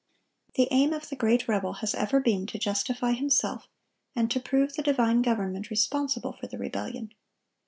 The aim of the great rebel has ever been to justify himself, and to prove the divine government responsible for the rebellion.